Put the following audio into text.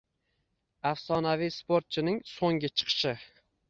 Afsonaviy sportchining so‘nggi chiqishi.